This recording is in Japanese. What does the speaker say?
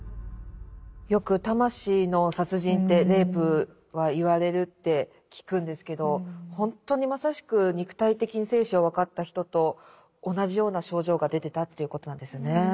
よく魂の殺人ってレイプは言われるって聞くんですけどほんとにまさしく肉体的に生死を分かった人と同じような症状が出てたということなんですよね。